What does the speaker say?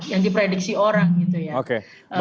yang diprediksi orang gitu ya